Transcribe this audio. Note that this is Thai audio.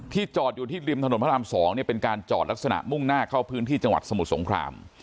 จอดอยู่ที่ริมถนนพระราม๒เป็นการจอดลักษณะมุ่งหน้าเข้าพื้นที่จังหวัดสมุทรสงคราม